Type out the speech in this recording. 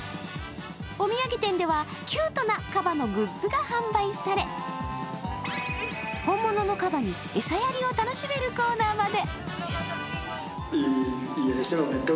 お土産店ではキュートなカバのグッズが販売され本物のカバに餌やりを楽しめるコーナーまで。